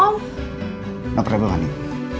nggak pernah berbual neng